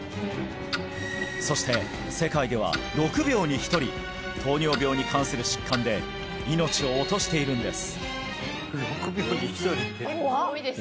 そして世界では６秒に１人糖尿病に関する疾患で命を落としているんです